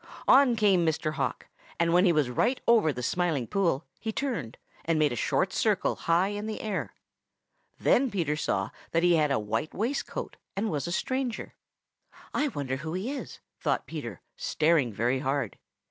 On came Mr. Hawk, and when he was right over the Smiling Pool, he turned and made a short circle high in the air. Then Peter saw that he had a white waist coat and was a stranger. "I wonder who he is?" thought Peter, staring very hard.